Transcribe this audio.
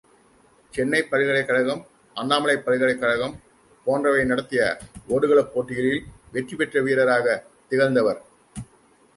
சென்னைப் பல்கலைக் கழகம், அண்ணாமலைப் பல்கலைக் கழகம் போன்றவை நடத்திய ஓடுகளப் போட்டிகளில் வெற்ற வீரராகத் திகழ்ந்தவர்.